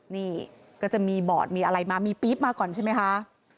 นี่ก็จะมีบอร์ดมีอะไรมามีปี๊บมาก่อนใช่ไหมคะ